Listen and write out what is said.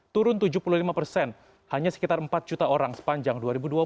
turun tujuh puluh lima persen hanya sekitar empat juta orang sepanjang dua ribu dua puluh